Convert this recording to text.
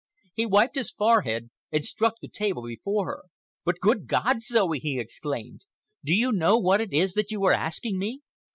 He wiped his forehead and struck the table before her. "But, good God, Zoe!" he exclaimed, "do you know what it is that you are asking me?